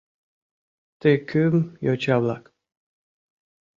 Ты кӱм йоча-влак.